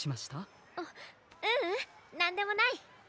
あっううんなんでもない。